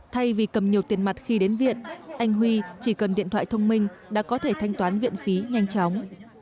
thay vì cầm nhiều tiền mặt khi đến viện anh huy chỉ cần điện thoại thông minh đã có thể thanh toán viện phí nhanh chóng